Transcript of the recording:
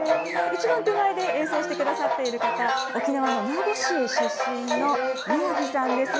一番手前で演奏してくださっている方、沖縄の名護市出身の宮城さんです。